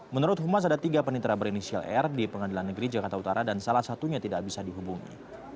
menurut humas ada tiga panitra berinisial r di pengadilan negeri jakarta utara dan salah satunya tidak bisa dihubungi